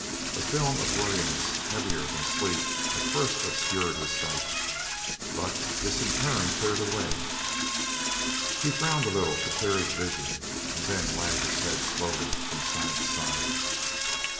A film of weariness heavier than sleep at first obscured his sight, but this in turn cleared away; he frowned a little to clear his vision, and then wagged his head slowly from side to side.